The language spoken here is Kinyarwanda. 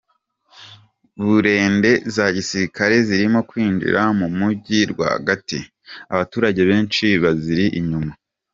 Burende za gisirikare zirimo kwinjira mu mujyi rwa gati abaturage benshi baziri inyuma